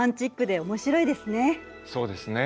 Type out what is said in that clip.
そうですね。